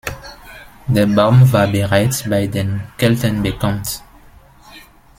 Der Baum war bereits bei den Kelten bekannt.